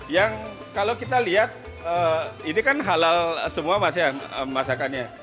yang kalau kita lihat ini kan halal semua masakannya